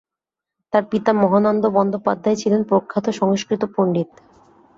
তার পিতা মহানন্দ বন্দ্যোপাধ্যায় ছিলেন প্রখ্যাত সংস্কৃত পণ্ডিত।